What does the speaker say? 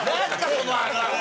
そのあるある。